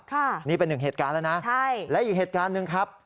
ค่ะนี่เป็นหนึ่งเหตุการณ์แล้วนะใช่และอีกเหตุการณ์หนึ่งครับ